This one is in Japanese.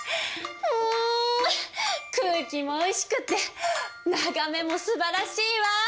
うん空気もおいしくって眺めもすばらしいわ！